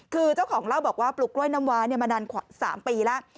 คือเจ้าของเล่าบอกว่าปลูกกล้วยน้ำว้ามานาน๓ปีแล้ว